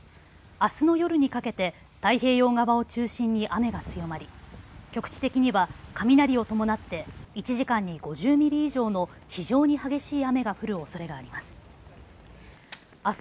あすの夜にかけて太平洋側を中心に雨が強まり局地的には雷を伴って１時間に５０ミリ以上の非常に激しい雨が降るおそれがあります。